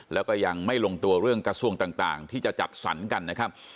แล้วก็ยังไม่ลงตัวเรื่องกระทรวงต่างที่จะจัดสรรกันนะครับ